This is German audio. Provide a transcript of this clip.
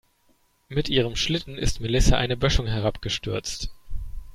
Mit ihrem Schlitten ist Melissa eine Böschung herabgestürzt.